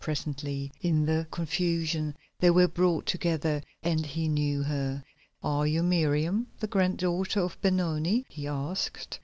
Presently, in the confusion they were brought together and he knew her. "Are you Miriam, the grand daughter of Benoni?" he asked.